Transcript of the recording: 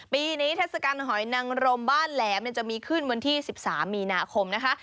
ปีนี้เทศกาลหอยนังรมบ้านแหลมจะมีขึ้นวันที่๑๓มีนาคมนะคะ